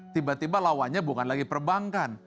tiba tiba lawannya bukan lagi perbankan